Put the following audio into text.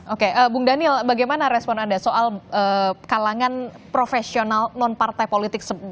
oke bung daniel bagaimana respon anda soal kalangan profesional non partai politik